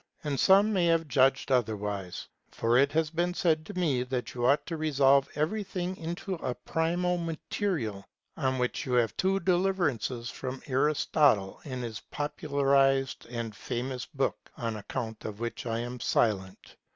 And some may have judged otherwise. For it has been said to me that you ought to resolve everything into a primal material, on which you have two deliverances from Aristotle in his popularized and famous book ; on account of which I am silent.